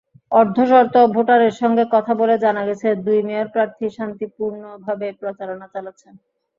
অর্ধশত ভোটারের সঙ্গে কথা বলে জানা গেছে, দুই মেয়র প্রার্থীই শান্তিপূর্ণভাবে প্রচারণা চালাচ্ছেন।